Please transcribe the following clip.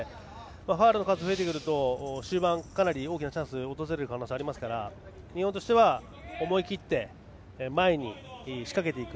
ファウルの数が増えてくると終盤、かなり大きなチャンスが訪れる可能性がありますから日本としては思い切って前に仕掛けていく。